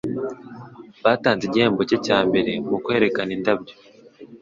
Batanze igihembo cye cya mbere mu kwerekana indabyo.